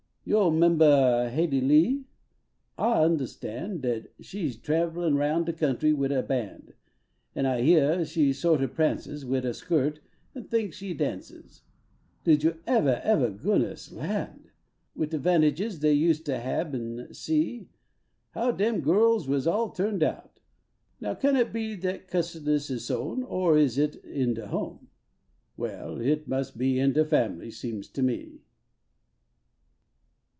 49 Vo niL inbah Haidee I,ee? I undahstan Dat she s trablin roun de country wid a band, An I heah she sort o prances Wid a skirt an thinks she dances, Did yon evah, evah, goodness land ! Wid de vantages dey used to hab en" see How deni girls was all turned out. Now can it be Dat cussidness is sown, Or is it in de bone ? Well, hit inns be in de family, seems to me.